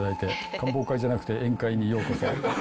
観望会じゃなくて宴会にようこそ。